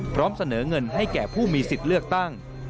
พร้อมเสนอเงินให้แก่ผู้มีสิทธิ์เลือกตั้ง